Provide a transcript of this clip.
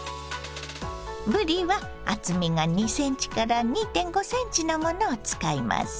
ぶりは厚みが２ｃｍから２．５ｃｍのものを使います。